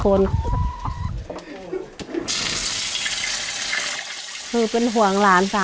พี่น้องของหนูก็ช่วยย่าทำงานค่ะ